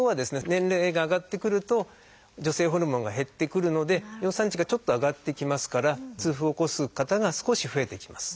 年齢が上がってくると女性ホルモンが減ってくるので尿酸値がちょっと上がってきますから痛風を起こす方が少し増えてきます。